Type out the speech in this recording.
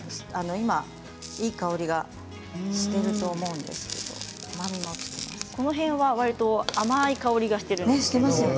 今いい香りがしていると思うのでこの辺はわりと甘い香りがしています。